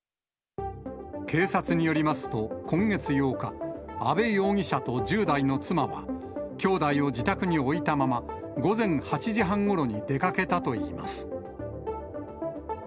警察によりますと今月８日、阿部容疑者と１０代の妻は、兄弟を自宅に置いたまま、午前８時半ごろに出かけたといいます。